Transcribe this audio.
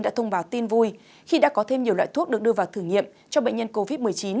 đã thông báo tin vui khi đã có thêm nhiều loại thuốc được đưa vào thử nghiệm cho bệnh nhân covid một mươi chín